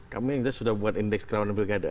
kami sudah buat indeks kelawan nebelgada